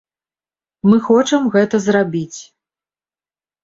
Мы хочам гэта зрабіць.